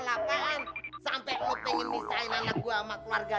tapi kenapa down down terus kapan up upnya